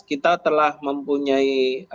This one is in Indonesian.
kita telah mempunyai